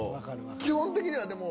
基本的にはでも。